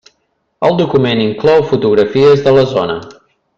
El document inclou fotografies de la zona.